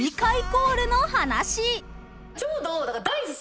ちょうど。